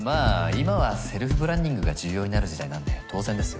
今はセルフブランディングが重要になる時代なんで当然ですよ。